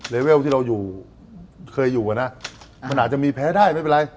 เวลที่เราอยู่เคยอยู่อะนะมันอาจจะมีแพ้ได้ไม่เป็นไร